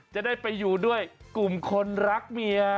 จะได้ไปด้วยกลุ่มคนรกเมีย